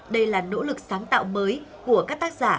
đây là nỗ lực sáng tạo mới của các tác giả